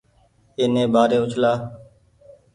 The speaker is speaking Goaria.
اي ني ٻآري اُڇلآ۔